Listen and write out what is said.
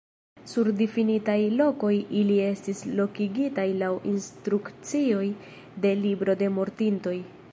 Sur difinitaj lokoj ili estis lokigitaj laŭ instrukcioj de libro de mortintoj.